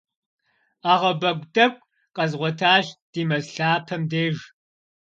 Ӏэгъэбэгу тӏэкӏу къэзгъуэтащ ди мэз лъапэм деж.